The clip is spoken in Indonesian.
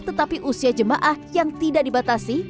tetapi usia jemaah yang tidak dibatasi